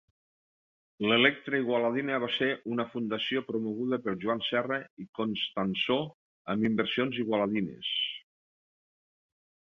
L'Electra Igualadina va ser una fundació promoguda per Joan Serra i Constansó amb inversions igualadines.